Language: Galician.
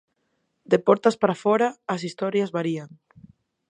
De portas para fóra, as historias varían.